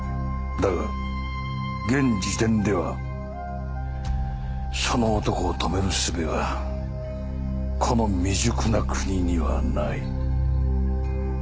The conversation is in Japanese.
だが現時点ではその男を止める術はこの未熟な国にはない。